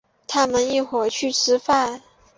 他们一会儿去吃饭。